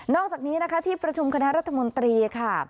อกจากนี้นะคะที่ประชุมคณะรัฐมนตรีค่ะ